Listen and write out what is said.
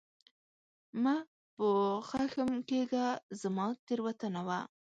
مه په خښم کېږه ، زما تېروتنه وه !